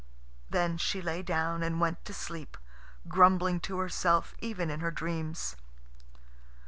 Then she lay down and went to sleep, grumbling to herself even in her dreams.